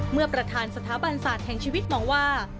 เมื่อประธานสถาบันศาสตร์แห่งชีวิตมองว่า